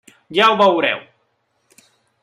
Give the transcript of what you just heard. Ja ho veureu.